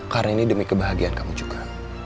karena ini demi kebahagiaan kamu juga